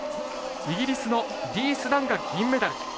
イギリスのリース・ダンが銀メダル。